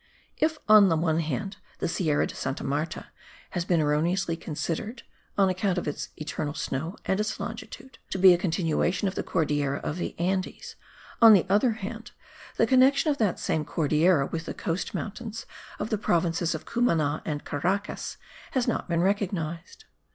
If, on the one hand, the Sierra de Santa Marta has been erroneously considered (on account of its eternal snow, and its longitude) to be a continuation of the Cordillera of the Andes, on the other hand, the connexion of that same Cordillera with the coast mountains of the provinces of Cumana and Caracas has not been recognized.